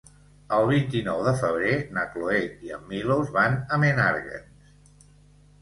El vint-i-nou de febrer na Cloè i en Milos van a Menàrguens.